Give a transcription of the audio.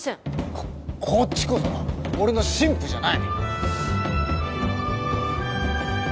ここっちこそ俺の新婦じゃない！